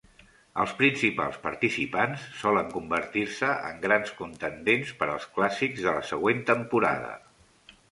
Els principals participants solen convertir-se en grans contendents per als clàssics de la següent temporada.